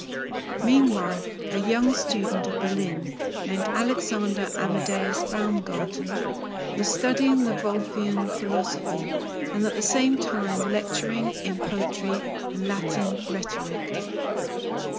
Meanwhile a young student of Berlin, named Alexander Amedeus Baumgarten, was studying the Wolffian philosophy, and at the same time lecturing in poetry and Latin rhetoric.